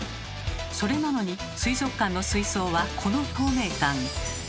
それなのに水族館の水槽はこの透明感。